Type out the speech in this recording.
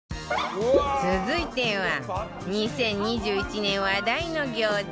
続いては２０２１年話題の餃子